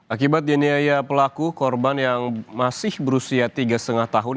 akibat diniaya pelaku korban yang masih berusia tiga lima tahun